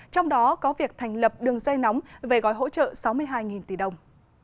trong đó có việc thành lập đường dây nóng về gói hỗ trợ sáu mươi hai tỷ đồng